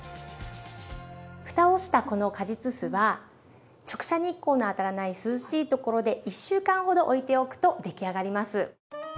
ふたをしたこの果実酢は直射日光の当たらない涼しいところで１週間ほどおいておくと出来上がります。